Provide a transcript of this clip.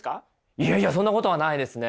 いやいやそんなことはないですね！